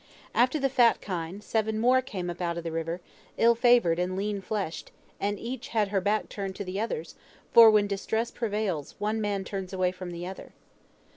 After the fat kine, seven more came up out of the river, ill favored and lean fleshed, and each had her back turned to the others, for when distress prevails, one man turns away from the other.